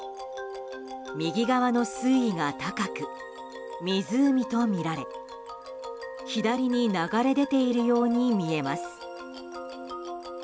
右側の水位が高く、湖とみられ左に流れ出ているように見えます。